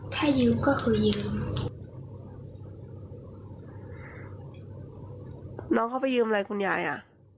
ถ้ายืมก็คือยืมน้องเขาไปยืมอะไรคุณยายอ่ะ